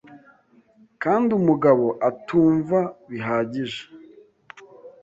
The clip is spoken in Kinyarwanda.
kandi umugabo atumva bihagije.